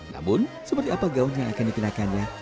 namun seperti apa gaun yang akan dikenakannya